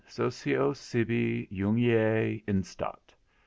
SOCIOS SIBI JUNGIER INSTAT.